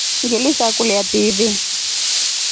Ngilisakulia TV.